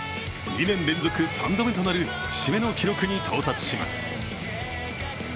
２年連続３度目なる節目の記録に到達します。